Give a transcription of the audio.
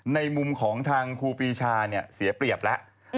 ในมุมของทางครูปีชาเนี่ยเสียเปรียบแล้ว